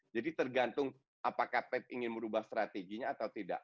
jadi tergantung apakah pep ingin berubah strateginya atau tidak